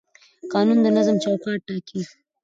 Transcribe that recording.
قانون د نظم چوکاټ ټاکي